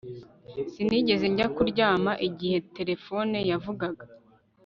Sinigeze njya kuryama igihe terefone yavugaga